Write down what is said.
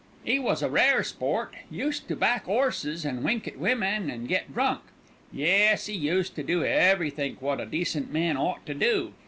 "'E was a rare sport; used to back 'orses and wink at women and get drunk; yes, 'e used to do everythink wot a decent man ought to do.